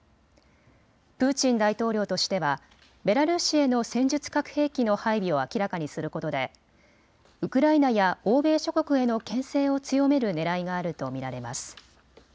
プーチン大統領としてはベラルーシへの戦術核兵器の配備を明らかにすることでウクライナや欧米諸国へのけん制を強めるねらいがあると見られます。